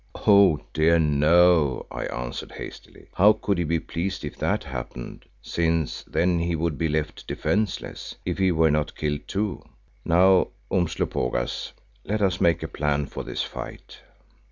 "Oh dear no!" I answered hastily. "How could he be pleased if that happened, since then he would be left defenceless, if he were not killed too. Now, Umslopogaas, let us make a plan for this fight."